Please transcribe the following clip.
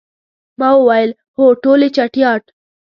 ما وویل، هو، ټولې چټیات.